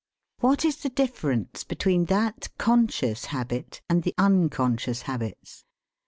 What is the difference between that conscious habit and the unconscious habits?